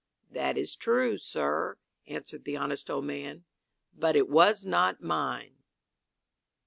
"That is true, sir," answered the honest old man; "but it was not mine."